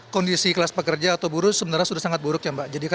kondisi kelas pekerja atau buruh sebenarnya sudah sangat buruk ya mbak